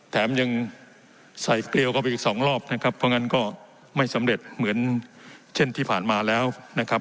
แถมยังใส่เกลียวเข้าไปอีกสองรอบนะครับเพราะงั้นก็ไม่สำเร็จเหมือนเช่นที่ผ่านมาแล้วนะครับ